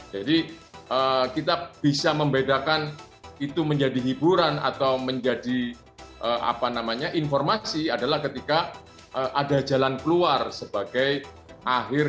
jadi kita bisa membedakan itu menjadi hiburan atau menjadi informasi adalah ketika ada jalan keluar sebagai akhir